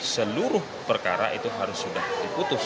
seluruh perkara itu harus sudah diputus